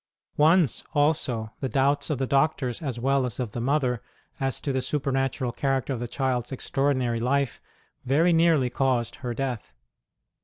Once, also, the doubts of the doctors as well as of the mother as to the supernatural character of the child s extraordinary life very nearly caused her death.